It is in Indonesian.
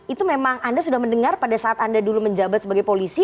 itu memang anda sudah mendengar pada saat anda dulu menjabat sebagai polisi